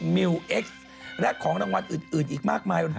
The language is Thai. มิวเอ็กซ์และของรางวัลอื่นอีกมากมาย